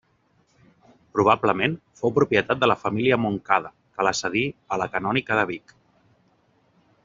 Probablement fou propietat de la família Montcada, que la cedí a la canònica de Vic.